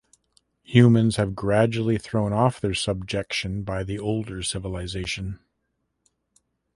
Humans have gradually thrown off their subjection by the older civilization.